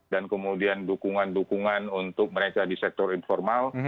dan kemudian dukungan dukungan untuk mereka di sektor informal